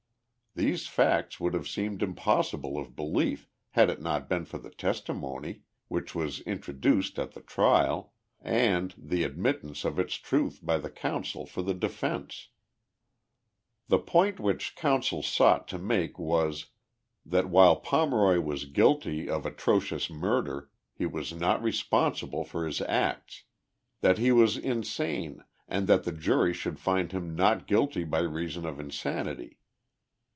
These facts would have seemed impossible of belief had it not been for the testimony, which was introduced at THE LIFE OF JESSE HARDING POMEROY. the trial, and the admittance of its truth by rhe counsel for the defence. The point which counsel sought to make was : that while Pomeroy was guilty of atrocious murder lie was not responsible for his acts. That he was insane and that the jury should find him not guilty by reason of insanity.